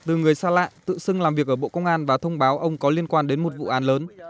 từ người xa lạ tự xưng làm việc ở bộ công an và thông báo ông có liên quan đến một vụ án lớn